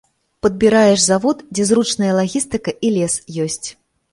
Падбіраеш завод, дзе зручная лагістыка і лес ёсць.